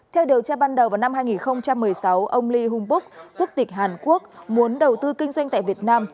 theo điều tra ban đầu vào năm hai nghìn một mươi sáu ông lee hung buk quốc tịch hàn quốc muốn đầu tư kinh doanh tại việt nam